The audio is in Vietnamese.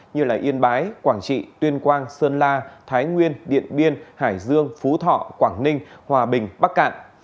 như yên bái quảng trị tuyên quang sơn la thái nguyên điện biên hải dương phú thọ quảng ninh hòa bình bắc cạn